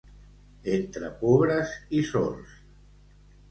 Entre pobres i sords.